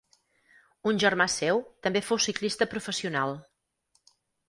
Un germà seu també fou ciclista professional.